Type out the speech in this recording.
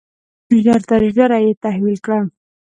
ژر تر ژره یې تحویل کړه.